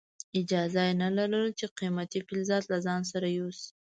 اجازه یې نه لرله چې قیمتي فلزات له ځان سره یوسي.